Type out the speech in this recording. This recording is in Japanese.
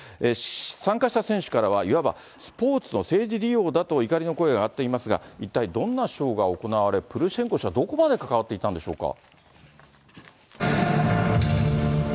参加した選手からはいわばスポーツの政治利用だと、怒りの声が上がっていますが、一体どんなショーが行われ、プルシェンコ氏は、どこまで関わっていたんでしょうか。